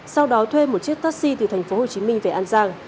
sau đó thuê một chiếc taxi từ thành phố hồ chí minh về an giang